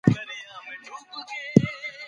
مهرباني وکړئ په موضوع کي ځان باوري کړئ.